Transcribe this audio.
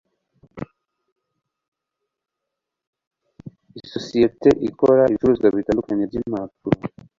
isosiyete ikora ibicuruzwa bitandukanye byimpapuro